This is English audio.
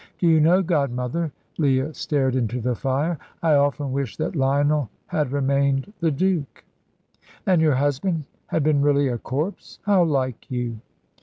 Do you know, godmother," Leah stared into the fire "I often wish that Lionel had remained the Duke." "And your husband had been really a corpse? How like you!"